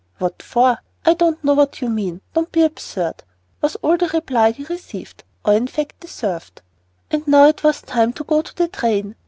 "What for? I don't know what you mean. Don't be absurd," was all the reply he received, or in fact deserved. And now it was time to go to the train.